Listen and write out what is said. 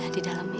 di dalam ya